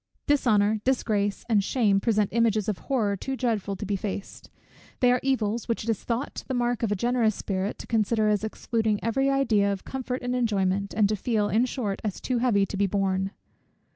Dishonour, disgrace, and shame present images of horror too dreadful to be faced; they are evils, which it is thought the mark of a generous spirit to consider as excluding every idea of comfort and enjoyment, and to feel, in short, as too heavy to be borne.